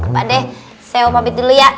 pakdeh saya mau tidur dulu ya